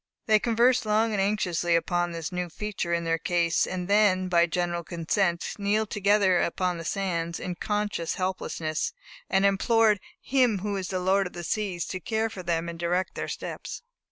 They conversed long and anxiously upon this new feature in their case; and then, by general consent, kneeled together upon the sands, in conscious helplessness, and implored Him who is the Lord of the seas, to care for them and direct their steps.